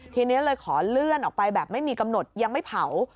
ทีนี้เลยขอเลื่อนออกไปแบบไม่มีกำหนดยังไม่เผา